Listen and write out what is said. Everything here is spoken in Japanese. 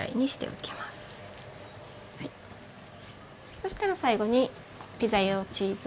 そしたら最後にピザ用チーズを。